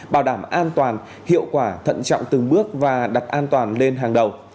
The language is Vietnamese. bảo đảm an toàn hiệu quả thận trọng từng bước và đặt an toàn lên hàng đầu